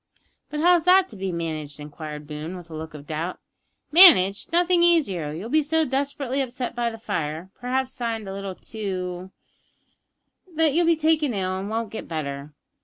"But how's that to be managed?" inquired Boone, with a look of doubt. "Managed? Nothing easier. You'll be so desperately upset by the fire perhaps singed a little too that you'll be taken ill and won't get better.